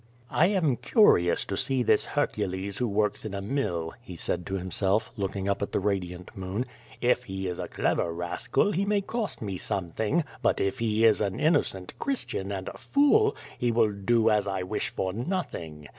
"I am curious to see this Hercules who works in a mill," he said to himself, looking up at the radiant moon. "If he is a clever rascal he may cost me something, but if he is an in nocent Christian and a fool, he will do as I wish for nothing.